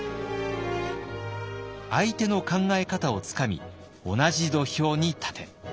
「相手の考え方をつかみ同じ土俵に立て」。